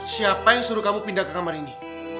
siapa yang suruh kamu pindah ke kamar ini